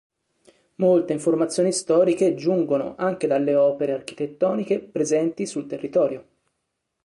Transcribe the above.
Molte informazioni storiche giungono anche dalle opere architettoniche presenti sul territorio.